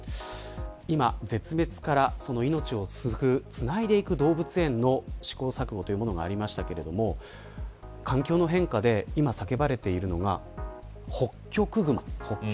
今、絶滅からその命をつないでいく動物園の試行錯誤というものがありましたが環境の変化で今、叫ばれているのがホッキョクグマ。